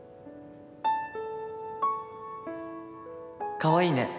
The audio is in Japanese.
かわいいね。